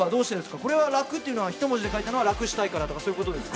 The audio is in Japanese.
これは楽っていうのは一文字で書いたのは楽したいからとかそういうことですか。